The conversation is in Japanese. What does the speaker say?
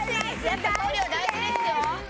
やっぱ送料大事ですよ